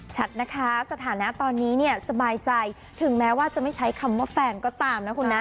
ชัดนะคะสถานะตอนนี้เนี่ยสบายใจถึงแม้ว่าจะไม่ใช้คำว่าแฟนก็ตามนะคุณนะ